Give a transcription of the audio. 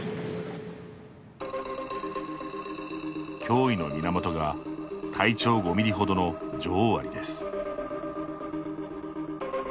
脅威の源が体長５ミリほどの女王アリです。